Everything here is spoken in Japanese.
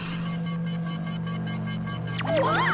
うわっ！